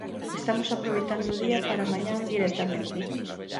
Estamos aproveitando o día para mañá directamente.